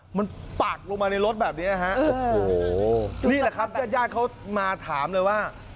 มันปากลงมาในรถแบบนี้นะฮะนี่แหละครับย่านเขามาถามเลยว่า